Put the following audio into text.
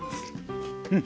うん！